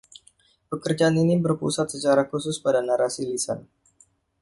Pekerjaan ini berpusat secara khusus pada narasi lisan.